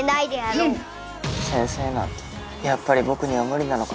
先生なんてやっぱり僕には無理なのかなあ。